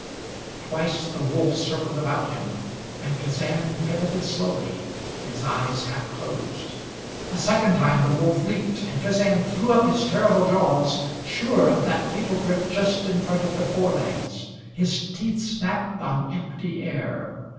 Twice the wolf circled about him, and Kazan pivoted slowly, his eyes half closed. A second time the wolf leaped, and Kazan threw up his terrible jaws, sure of that fatal grip just in front of the forelegs. His teeth snapped on empty air.